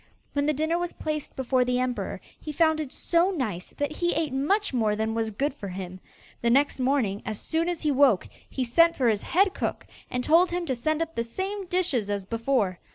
When the dinner was placed before the emperor he found it so nice that he ate much more than was good for him. The next morning, as soon as he woke, he sent for his head cook, and told him to send up the same dishes as before.